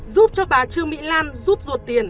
giúp cho bà trương mỹ lan giúp ruột tiền